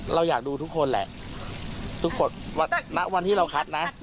เราอยากดูทุกคนแหละทุกคนณวันที่เราคัดนะ